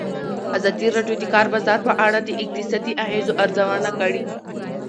ازادي راډیو د د کار بازار په اړه د اقتصادي اغېزو ارزونه کړې.